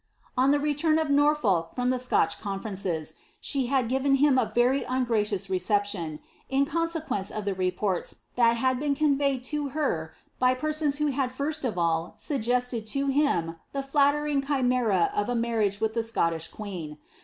On the return of Norfolk from the Scotch conferences, she had given him a very ungracious reception, in consequence of the reports that had been conveyed to her by the persons who had first of all sug gested to him the flattering chimera of a marriage with the Scottish queen.